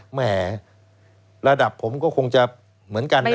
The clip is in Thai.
แหมระดับผมก็คงจะเหมือนกันนะ